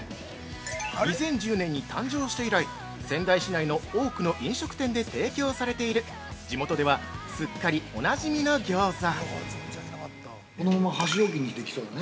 ◆２０１０年に誕生して以来、仙台市内の多くの飲食店で提供されている、地元ではすっかりおなじみの餃子。